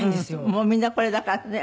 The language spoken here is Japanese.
もうみんなこれだからね。